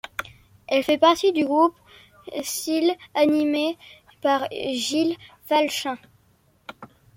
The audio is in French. Elle fait partie du groupe Sill animé par Gilles Falch'Un.